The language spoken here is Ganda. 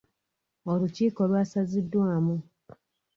Olukiiko lwasaziddwamu.